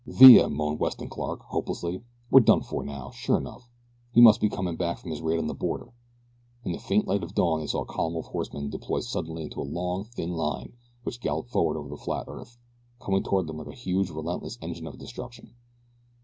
"Villa," moaned Westcott Clark, hopelessly. "We're done for now, sure enough. He must be comin' back from his raid on the border." In the faint light of dawn they saw a column of horsemen deploy suddenly into a long, thin line which galloped forward over the flat earth, coming toward them like a huge, relentless engine of destruction.